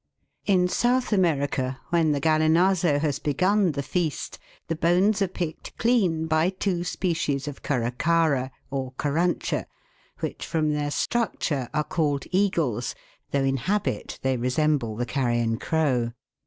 In South America, when the Gallinazo has begun the feast, the bones are picked clean by two species of Caracara, or Carrancha, which, from their structure, are called eagles, though in habit they resemble the carrion crow.